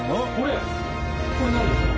これなんですか？